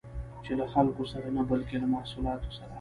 چې له خلکو سره نه، بلکې له محصولات سره